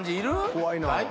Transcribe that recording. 怖いなあ。